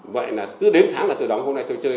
vậy là cứ đếm tháng là tôi đóng hôm nay tôi chơi